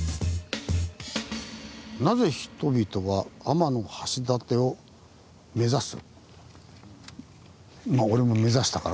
「なぜ人々は天橋立を目指す？」。